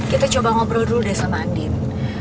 kita coba ngobrol dulu deh sama andin